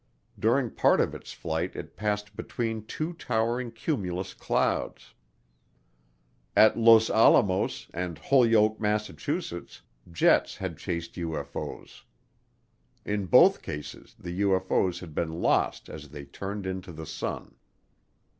During part of its flight it passed between two towering cumulus clouds. At Los Alamos and Holyoke, Massachusetts, jets had chased UFO's. In both cases the UFO's had been lost as they turned into the sun.